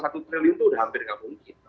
satu satu triliun itu sudah hampir gak mungkin